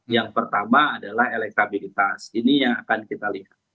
yang pertama adalah elektabilitas ini yang akan kita lihat